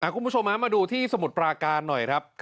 คุณผู้ชมมาดูที่สมุทรปราการหน่อยครับ